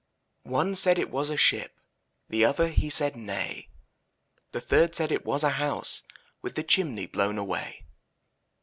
One said it was a ship, The other, he said nay; The third said it was a hbuse. With the chimney blown away.